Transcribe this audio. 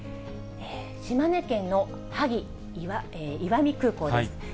島根県の萩・石見空港です。